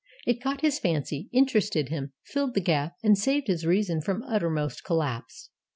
It caught his fancy, interested him, filled the gap, and saved his reason from uttermost collapse.